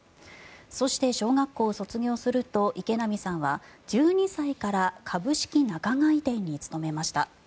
そして、小学校を卒業すると池波さんは１２歳から株式仲買店に勤めました。